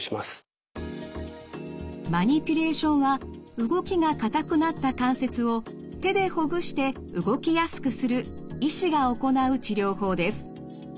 マニピュレーションは動きが硬くなった関節を手でほぐして動きやすくする医師が行う治療法です。